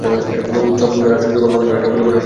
উচ্চ রাষ্ট্রদ্রোহী কর্মকান্ড একটি পরিবার শুরু করা?